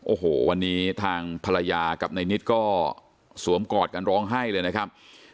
โอ้โหวันนี้ทางภรรยากับนายนิดก็สวมกอดกันร้องไห้เลยนะครับ